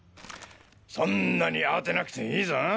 そんなに慌てなくていいぞ。